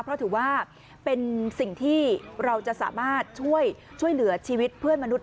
เพราะถือว่าเป็นสิ่งที่เราจะสามารถช่วยเหลือชีวิตเพื่อนมนุษ